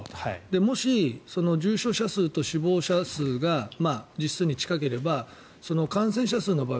もし重症者数と死亡者数が実数に近ければ感染者数の場合